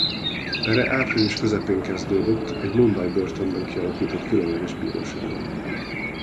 Pere április közepén kezdődött egy mumbai börtönben kialakított különleges bíróságon.